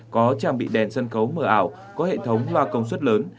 có trang bị đèn sân khấu mở ảo có hệ thống loa công suất lớn